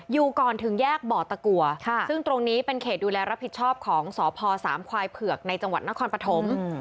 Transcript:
อยู่ก่อนถึงแยกบ่อตะกัวซึ่งตรงนี้เป็นเขตดูแลรับผิดชอบของสพสามควายเผือกในจังหวัดนครปฐม